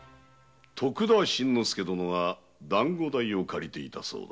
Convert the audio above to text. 徳田新之助殿がダンゴ代を借りていたそうだ。